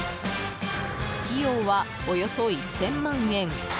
費用はおよそ１０００万円。